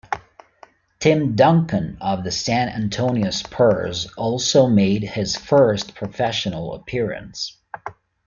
Tim Duncan of the San Antonio Spurs also made his first professional appearance.